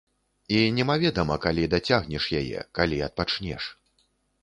І немаведама, калі дацягнеш яе, калі адпачнеш.